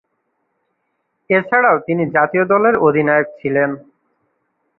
এছাড়াও তিনি জাতীয় দলের অধিনায়ক ছিলেন।